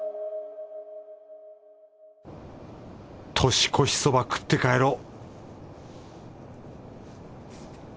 年越しそば食って帰ろう